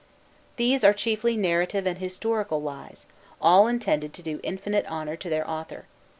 These are chiefly narrative and historical lies, all intended to do infinite honor to their author.